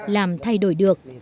làm thay đổi được